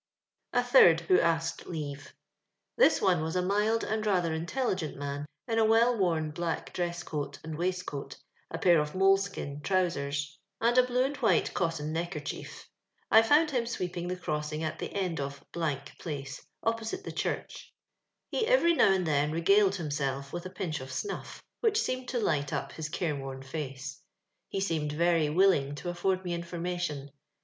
A Thuld who asked Leave. This one was a mild and rather intelligent man, in a well wom black dress coat and waist coat, a pair of moleskin" trousers, and a 474 LONDON LABOUR AND THE LONDON POOR. blue and white cotton neckerchief. I fonnd i him sweeping the crossing at the end of I phice, opposite the church. He every now and then regaled himself with a pinch of snuff, which seemed to light up Ids careworn face. He seemed very will iiig to afford me information.